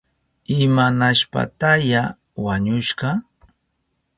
¿Imanashpataya wañushka?